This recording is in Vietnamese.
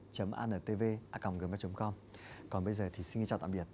còn bây giờ thì xin chào tạm biệt